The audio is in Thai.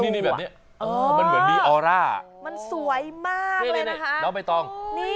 นี่นี่เหมือนนะคะที่มันสวยมากเลยนะคะเนี่ยเนี่ยเนี่ยแล้วไปตอง